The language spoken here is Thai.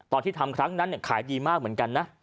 ตอนที่ทำครั้งนั้นขายดีมากเหมือนกันนะ